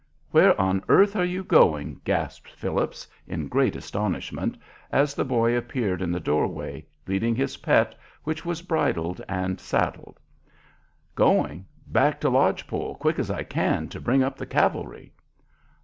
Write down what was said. "Where on earth are you going?" gasped Phillips, in great astonishment, as the boy appeared in the door way, leading his pet, which was bridled and saddled. "Going? Back to Lodge Pole, quick as I can, to bring up the cavalry."